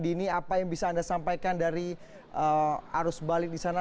dini apa yang bisa anda sampaikan dari arus balik di sana